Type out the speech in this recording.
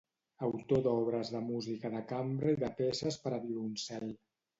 Autor d'obres de música de cambra i de peces per a violoncel.